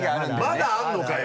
まだあるのかよ！？